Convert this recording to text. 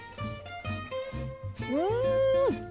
うん！